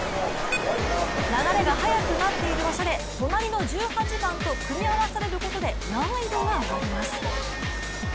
流れが速くなっている場所で、隣の１８番と組み合わされることで難易度が上がります。